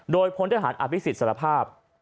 โดยพลทหารอภิษฎสารภาพ